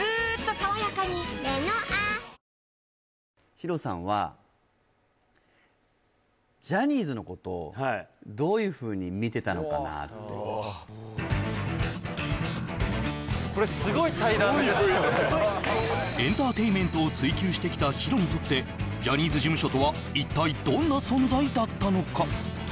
ＨＩＲＯさんははいすごいＶエンターテインメントを追求してきたＨＩＲＯにとってジャニーズ事務所とは一体どんな存在だったのか？